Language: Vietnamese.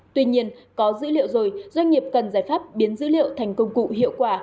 tuy nhiên có dữ liệu rồi doanh nghiệp cần giải pháp biến dữ liệu thành công cụ hiệu quả